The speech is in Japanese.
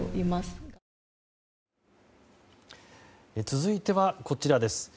続いては、こちらです。